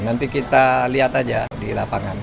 nanti kita lihat aja di lapangan